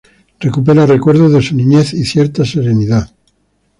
Recupera recuerdos de su niñez y cierta serenidad.